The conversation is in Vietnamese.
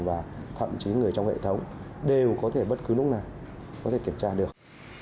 và thậm chí người trong hệ thống đều có thể bất cứ lúc nào có thể kiểm tra được